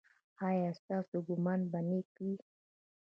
ایا ستاسو ګمان به نیک وي؟